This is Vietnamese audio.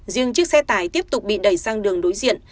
riêng chiếc xe tải tiếp tục bị đẩy sang đường đối diện